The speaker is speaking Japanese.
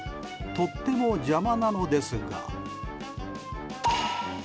とっても邪魔なのですが。